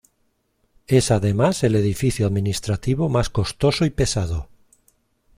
Es además el edificio administrativo más costoso y pesado.